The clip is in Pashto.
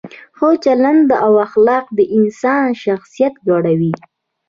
ښه چلند او اخلاق د انسان شخصیت لوړوي.